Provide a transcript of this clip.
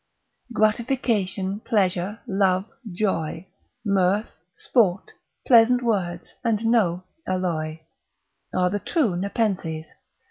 Gratification, pleasure, love, joy, Mirth, sport, pleasant words and no alloy, are the true Nepenthes.